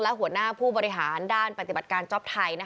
และหัวหน้าผู้บริหารด้านปฏิบัติการจ๊อปไทย